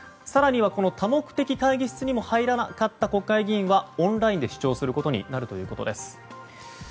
更にはこの多目的会議室にも入らなかった国会議員はオンラインで視聴することになるということです。